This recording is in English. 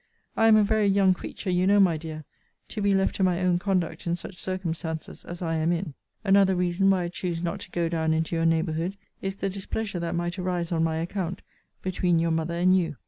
I am a very young creature you know, my dear, to be left to my own conduct in such circumstances as I am in. Another reason why I choose not to go down into your neighbourhood, is the displeasure that might arise, on my account, between your mother and you.